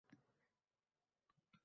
Bo’lsin qalbing